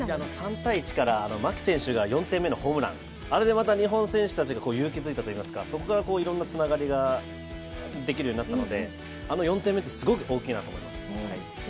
３−１から牧選手が４点目のホームラン、あれでまた日本選手たちが勇気づいたといいますかそこからいろんなつながりができるようになったので、あの４点目ってすごく大きいなと思います。